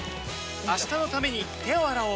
明日のために手を洗おう